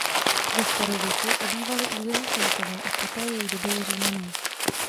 Ve starověku obývali území Keltové a poté jej dobyli Římané.